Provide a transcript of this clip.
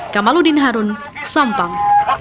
kamaludin harun sampang